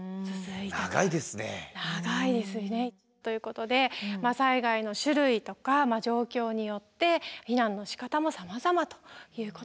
長いですね。ということで災害の種類とか状況によって避難のしかたもさまざまということになってきます。